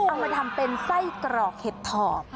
เอามาทำเป็นไส้กรอกเห็ดถอบ